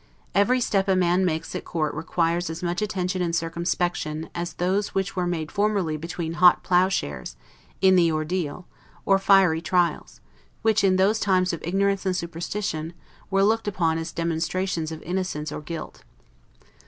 Every step a man makes at court requires as much attention and circumspection, as those which were made formerly between hot plowshares, in the Ordeal, or fiery trials; which, in those times of ignorance and superstition, were looked upon as demonstrations of innocence or guilt.